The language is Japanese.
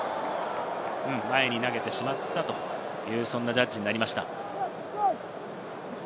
前に投げてしまったというジャッジになりました。